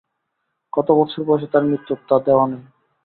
কত বৎসর বয়সে তাঁর মৃত্যু, তা দেওয়া নেই।